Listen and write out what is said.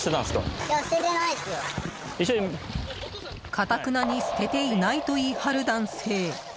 頑なに捨てていないと言い張る男性。